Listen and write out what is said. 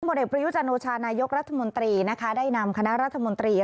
หมดเอกประยุจนโชภานายกรัฐมนตรีได้นำคณะรัฐมนตรี